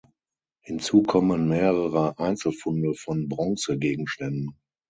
Hinzu kommen mehrere Einzelfunde von Bronzegegenständen.